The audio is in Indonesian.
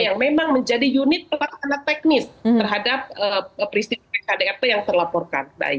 yang memang menjadi unit pelakonan teknis terhadap prinsip kdat yang terlaporkan